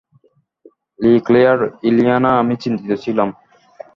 লিক্লেয়ার - Ileana, আমি চিন্তিত ছিলাম।